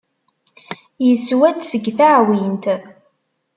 Yeswa-d seg teɛwint.